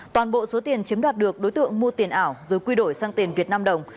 toàn bộ số tiền chiếm đoạt được đối tượng mua tiền ảo rồi quy đổi sang tiền việt nam đồng